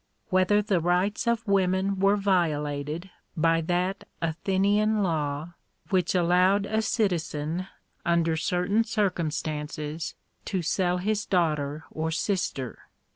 whether the rights of women were violated by that Athenian law, which allowed a citizen under certain cir cumstances to sell his daughter or sister?